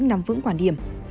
nằm vững quản điểm